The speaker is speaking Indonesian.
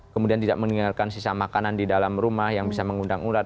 kemudian tidak meninggalkan sisa makanan di dalam rumah yang bisa mengundang ular